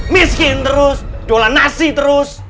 miskin terus dolan nasi terus